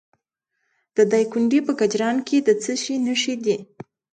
د دایکنډي په کجران کې د څه شي نښې دي؟